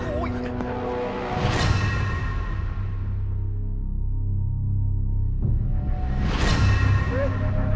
ไปไอ้มายอยู่ออกชีวิตให้ไว้